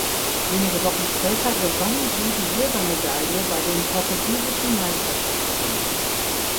Wenige Wochen später gewann sie die Silbermedaille bei den Portugiesischen Meisterschaften.